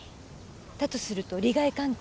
だとすると利害関係？